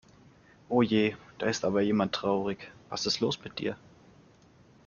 Oje, da ist aber jemand traurig. Was ist los mit dir?